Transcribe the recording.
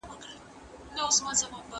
¬ خټک که ښه سوار دئ، د يوه وار دئ.